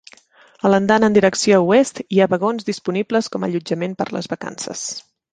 A l'andana en direcció oest hi ha vagons disponibles com allotjament per a les vacances.